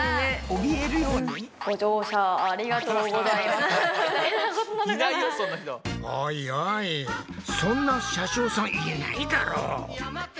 おいおいそんな車掌さんいないだろう。